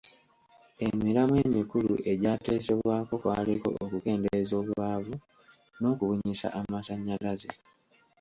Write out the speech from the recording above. Emiramwa emikulu egyateesebwako kwaliko okukendeeza obwavu n'okubunyisa amasannyalaze,